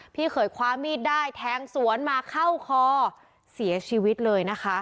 พี่เขยคว้ามีดได้แทงสวนมาเข้าคอเสียชีวิตเลยนะคะ